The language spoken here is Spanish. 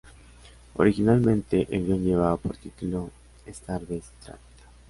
Originalmente el guion llevaba por título "Star Beast" —trad.